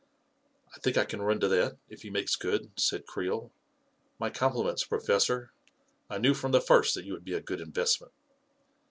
44 1 think I can run to that, if he makes good," said Creel. " My compliments, Professor. I knew from the first that you would be a good investment."